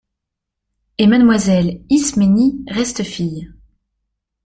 Et mademoiselle Isménie reste fille !